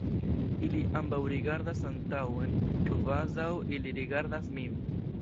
Ili ambaŭ rigardas antaŭen, kvazaŭ ili rigardas min.